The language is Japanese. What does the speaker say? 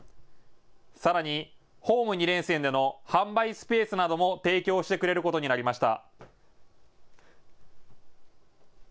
さらに、ホーム２連戦での販売スペースなども提供してくれることになりました。